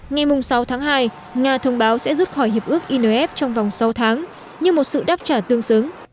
ngày sáu tháng hai nga thông báo sẽ rút khỏi hiệp ước inf trong vòng sáu tháng như một sự đáp trả tương xứng